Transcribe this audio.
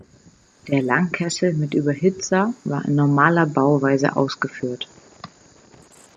Der Langkessel mit Überhitzer war in normaler Bauweise ausgeführt.